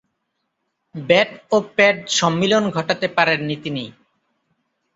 Bat ও pad সম্মিলন ঘটাতে পারেননি তিনি।